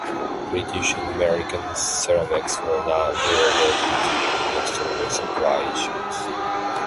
British and American ceramics were not available due to industrial supply issues.